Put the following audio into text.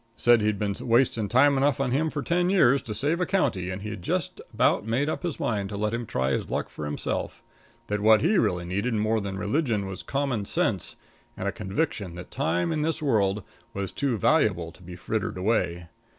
Said he'd been wasting time enough on him for ten years to save a county, and he had just about made up his mind to let him try his luck by himself; that what he really needed more than religion was common sense and a conviction that time in this world was too valuable to be frittered away.